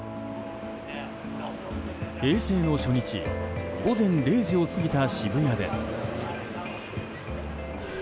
平成の初日、午前０時を過ぎた渋谷です。